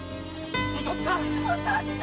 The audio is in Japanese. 〔お父っつぁん！〕